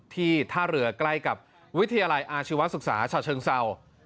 ท่าเรือใกล้กับวิทยาลัยอาชีวศึกษาชาเชิงเศร้า